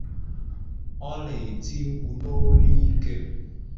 ọ na-eti mkpu n’olu ike